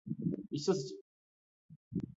വിശ്വസിച്ചു